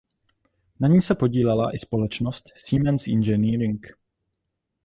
Na ní se podílela i společnost Siemens Engineering.